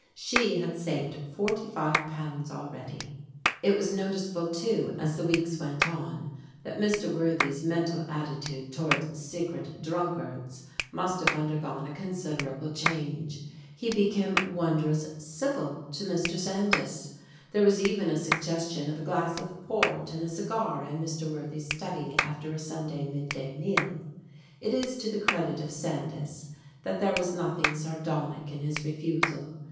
She had saved forty five pounds already. It was noticeable, too, as the weeks went on, that Mr. Worthy's mental attitude towards secret drunk ards must have undergone a considerable change. He became wondrous civil to Mr. Sandys. There was even a suggestion of a glass of port and a cigar in Mr. Worthy's study after a Sunday midday meal; it is to the credit of Sandys that there was nothing sardonic in his refusal.